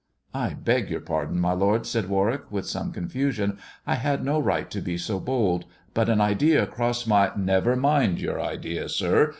I beg your pardon, my lord," said Warwick, with some ^lifusion. "I had no right to be so bold; but an idea ^^ossed my "Never mind your idea, sir!"